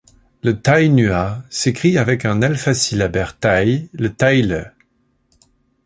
Le tai nüa s'écrit avec un alphasyllabaire tai, le tai le.